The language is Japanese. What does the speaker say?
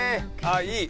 いい！